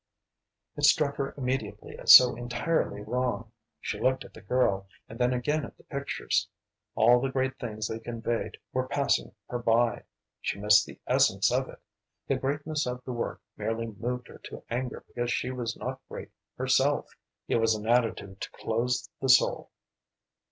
It struck her immediately as so entirely wrong. She looked at the girl, and then again at the pictures. All the great things they conveyed were passing her by. She missed the essence of it. The greatness of the work merely moved her to anger because she was not great herself. It was an attitude to close the soul.